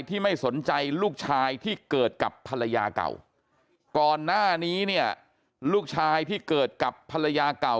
ไม่สนใจลูกชายที่เกิดกับภรรยาเก่าก่อนหน้านี้เนี่ยลูกชายที่เกิดกับภรรยาเก่า